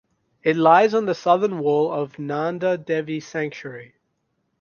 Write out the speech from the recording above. It lies on southern wall of Nanda devi sanctuary.